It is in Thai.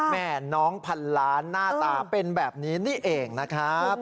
แม่น้องพันล้านหน้าตาเป็นแบบนี้นี่เองนะครับ